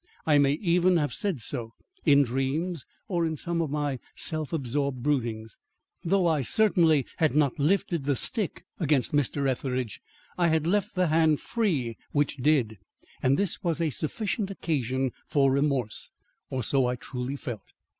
I may even have said so in dreams or in some of my self absorbed broodings. Though I certainly had not lifted the stick against Mr. Etheridge, I had left the hand free which did, and this was a sufficient occasion for remorse or so I truly felt.